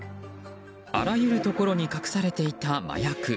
あらゆるところに隠されていた麻薬。